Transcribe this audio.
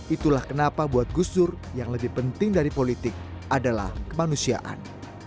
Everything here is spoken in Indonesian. itulah kenapa buat gus dur yang lebih penting dari politik adalah kemanusiaan